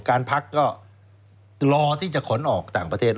การพักก็รอที่จะขนออกต่างประเทศ